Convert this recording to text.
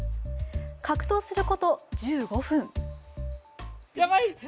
格闘すること１５分。